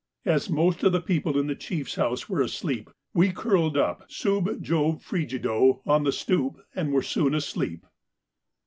As most of the people in the Chief's house were asleep, we curled up sub Jove frigido on the stoop, and were soon asleep.